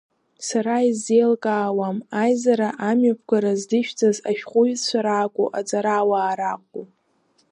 Сара исзеилкаауам, аизара амҩаԥгара здышәҵаз ашәҟәҩҩцәа ҳакәу аҵарауаа ракәу?